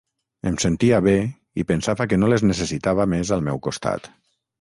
Em sentia bé i pensava que no les necessitava més al meu costat.